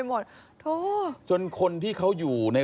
ก็ต้องมาถึงจุดตรงนี้ก่อนใช่ไหม